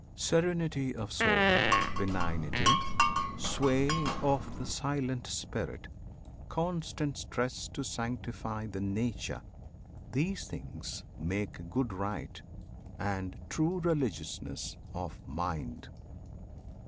Serenity of soul, benignity, Sway of the silent Spirit, constant stress To sanctify the Nature, these things make Good rite, and true religiousness of Mind.